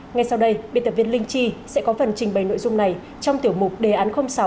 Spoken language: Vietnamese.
ngay sau đây biên tập viên linh chi sẽ có phần trình bày nội dung này trong tiểu mục đề án sáu